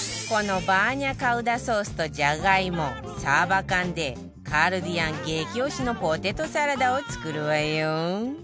このバーニャカウダソースとジャガイモサバ缶でカルディアン激推しのポテトサラダを作るわよ